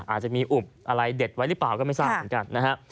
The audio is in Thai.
อาจจะมีอุบอะไรเด็ดไว้หรือเปล่าก็ไม่ทราบเหมือนกันนะฮะ